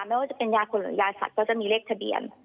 ไม่ว่าจะเป็นยาคนหรือยาสัตว์ก็จะมีเลขทะเบียน